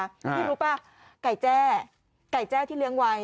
พี่รู้ป่ะไก่แจ้ไก่แจ้ที่เลี้ยงไว้